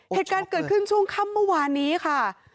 เหตุการณ์เกิดขึ้นช่วงค่ำเมื่อวานนี้ค่ะ